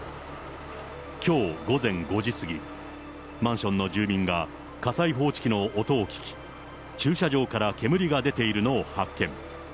きょう午前５時過ぎ、マンションの住人が、火災報知機の音を聞き、駐車場から煙が出ているのを発見。